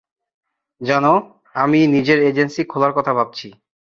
জানো, আমি নিজের এজেন্সি খোলার কথা ভাবছি।